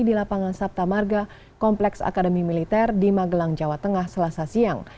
di lapangan sabta marga kompleks akademi militer di magelang jawa tengah selasa siang